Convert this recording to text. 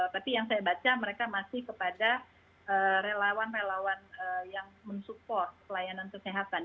tapi yang saya baca mereka masih kepada relawan relawan yang mensupport pelayanan kesehatan